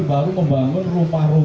baru membangun rumah rumah masyarakat